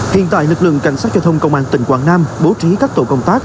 hiện tại lực lượng cảnh sát giao thông công an tỉnh quảng nam bố trí các tổ công tác